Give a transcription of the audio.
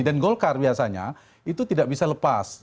golkar biasanya itu tidak bisa lepas